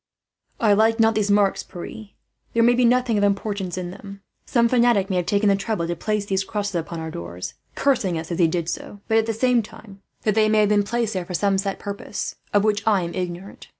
"I like not these marks, Pierre. There may be nothing of importance in them. Some fanatic may have taken the trouble to place these crosses upon our doors, cursing us as he did so. But at the same time, I cannot deny that they may have been placed there for some set purpose, of which I am ignorant.